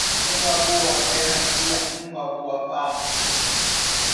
Uma boa guerra cria uma boa paz.